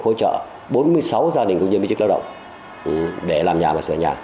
hỗ trợ bốn mươi sáu gia đình công nhân viên chức lao động để làm nhà và sửa nhà